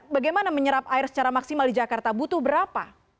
bagaimana menyerap air secara maksimal di jakarta butuh berapa